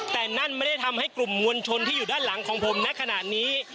แต่นั่นไม่ได้ทำให้กลุ่มมวลชนที่อยู่ด้านหลังของผมในขณะนี้